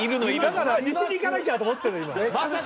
だから西にいかなきゃと思ってるの今。